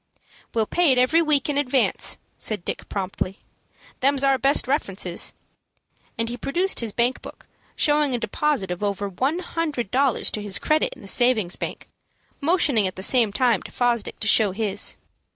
"We'll pay it every week in advance," said Dick, promptly. "Them's our best references," and he produced his bank book, showing a deposit of over one hundred dollars to his credit in the savings bank, motioning at the same time to Fosdick to show his.